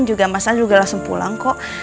juga mas al juga langsung pulang kok